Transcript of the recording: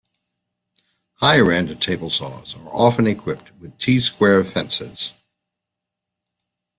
Higher-end table saws are often equipped with T-square fences.